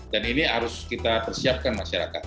dan ini harus kita persiapkan masyarakat